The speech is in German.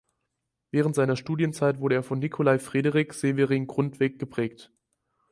Während seiner Studienzeit wurde er von Nikolai Frederik Severin Grundtvig geprägt.